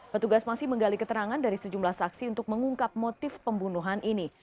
petugas masih menggali keterangan dari sejumlah saksi untuk mengungkap motif pembunuhan ini